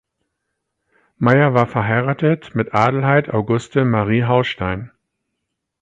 Meyer war verheiratet mit Adelheid Auguste Marie Haustein.